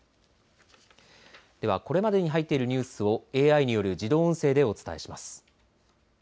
では、これまで入っているニュースをＡＩによる自動音声でお伝えします。